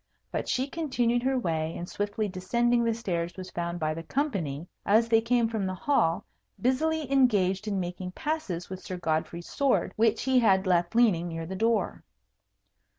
But she continued her way, and swiftly descending the stairs was found by the company, as they came from the hall, busily engaged in making passes with Sir Godfrey's sword, which he had left leaning near the door.